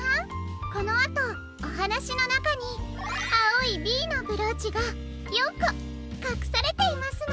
このあとおはなしのなかにあおい「Ｂ」のブローチが４こかくされていますの。